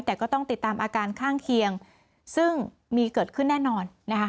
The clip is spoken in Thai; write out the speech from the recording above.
แต่ก็ต้องติดตามอาการข้างเคียงซึ่งมีเกิดขึ้นแน่นอนนะคะ